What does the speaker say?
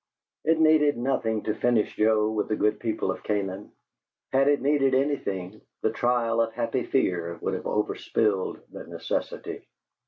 It needed nothing to finish Joe with the good people of Canaan; had it needed anything, the trial of Happy Fear would have overspilled the necessity.